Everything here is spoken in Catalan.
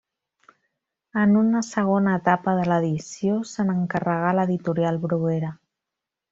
En una segona etapa de l'edició se n'encarregà l'Editorial Bruguera.